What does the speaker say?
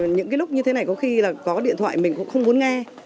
những cái lúc như thế này có khi là có điện thoại mình cũng không muốn nghe